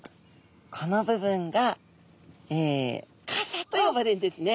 この部分が傘と呼ばれるんですね。